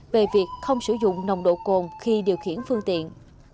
về việc không sử dụng nồng độ cồn khi điều khiển phương tiện